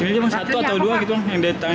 ini cuma satu atau dua gitu yang ditangkap